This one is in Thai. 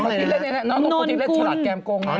คะพี่เล่นหนอนกุลโดยเล่นฉลาดแก้มกงไม่